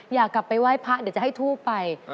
อยากกลับไปไหว้พระเดี๋ยวจะให้ทูบไป